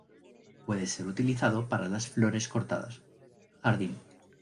Puede ser utilizado para las flores cortadas, jardín.